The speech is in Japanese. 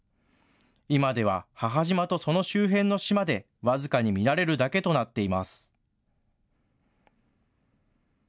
今では母島とその周辺の島で僅かに見られるだけとなっています。